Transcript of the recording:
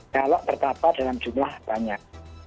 kalau terpapar dalam jumlah banyak